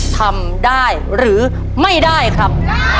ทำได้หรือไม่ได้ครับ